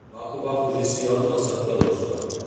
Va ocupar posicions al sector d'Osca.